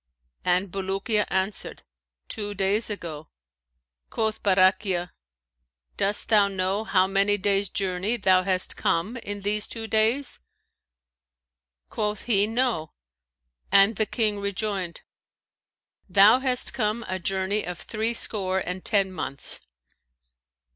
And Bulukiya answered, 'Two days ago.' Quoth Barakhiya, 'Dost thou know, how many days' journey thou hast come in these two days?' Quoth he, 'No,' and the King rejoined, 'Thou hast come a journey of threescore and ten months.'"